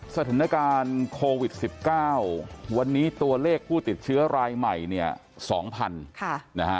สถานการณ์โควิด๑๙วันนี้ตัวเลขผู้ติดเชื้อรายใหม่เนี่ย๒๐๐นะฮะ